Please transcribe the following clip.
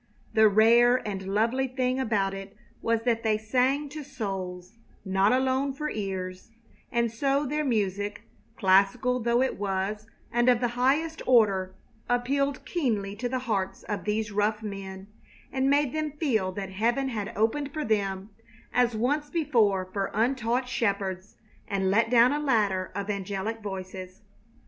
The rare and lovely thing about it was that they sang to souls, not alone for ears, and so their music, classical though it was and of the highest order, appealed keenly to the hearts of these rough men, and made them feel that heaven had opened for them, as once before for untaught shepherds, and let down a ladder of angelic voices.